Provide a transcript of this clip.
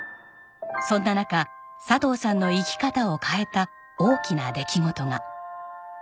そんな中佐藤さんの生き方を変えた大きな出来事が。